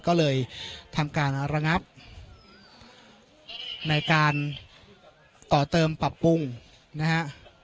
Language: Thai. ก็เลยทำการระงับในการต่อเติมปรับปรุงนะฮะ